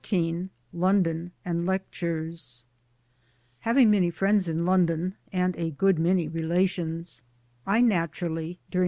I XIV LONDON AND LECTURES HAVING many friends in London, and a good many, relations, I naturally, during!